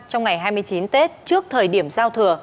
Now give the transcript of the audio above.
trong ngày hai mươi chín tết trước thời điểm giao thừa